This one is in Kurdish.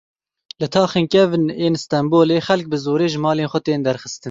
Li taxên kevin ên Stenbolê xelk bi zorê ji malên xwe tên derxistin.